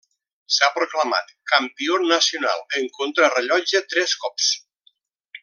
S'ha proclamat campió nacional en contrarellotge tres cops.